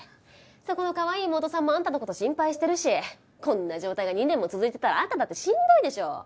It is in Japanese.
そこのかわいい妹さんもあんたの事心配してるしこんな状態が２年も続いてたらあんただってしんどいでしょ。